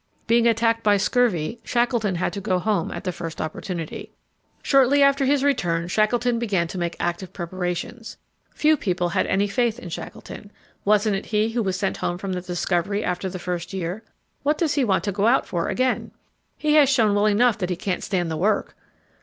Being attacked by scurvy, Shackleton had to go home at the first opportunity. Shortly after his return Shackleton began to make active preparations. Few people had any faith in Shackleton. Wasn't it he who was sent home from the Discovery after the first year? What does he want to go out for again? He has shown well enough that he can't stand the work!